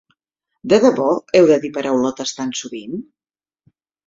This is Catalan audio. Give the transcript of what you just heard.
De debò heu de dir paraulotes tan sovint?